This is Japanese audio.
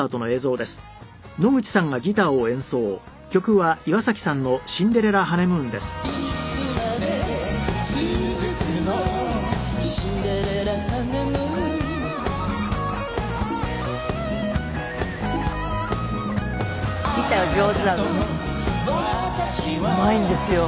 うまいんですよ